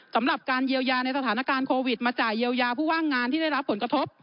สำหรับการเยียวยาในสถานการณ์โควิดมาจ่ายเยียวยาผู้ว่างงานที่ได้รับผลกระทบ